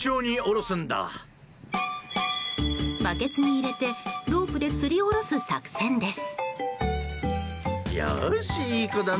バケツに入れてロープでつり下ろす作戦です。